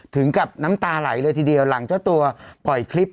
ถึงกับน้ำตาไหลเลยทีเดียวหลังเจ้าตัวปล่อยคลิป